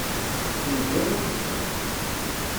Undiɣ i yilfan.